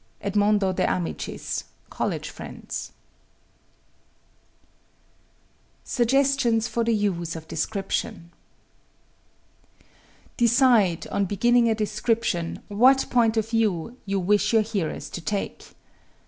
EDMONDO DE AMICIS, College Friends. Suggestions for the Use of Description Decide, on beginning a description, what point of view you wish your hearers to take.